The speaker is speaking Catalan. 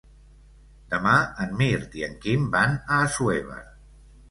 Demà en Mirt i en Quim van a Assuévar.